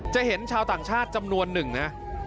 เห็นชาวต่างชาติจำนวนหนึ่งนะ